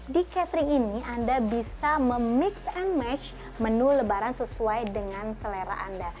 di catering ini anda bisa mem mix and match menu lebaran sesuai dengan selera anda